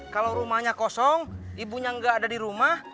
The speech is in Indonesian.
kalau rumahnya kosong ibunya nggak ada di rumah